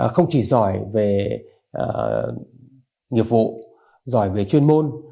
không chỉ giỏi về nghiệp vụ giỏi về chuyên môn